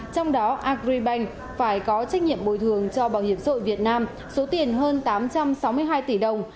trong đó agribank phải có trách nhiệm bồi thường cho bảo hiểm xã hội việt nam số tiền hơn tám trăm sáu mươi hai tỷ đồng